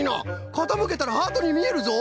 かたむけたらハートにみえるぞ。